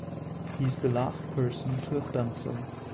He is the last person to have done so.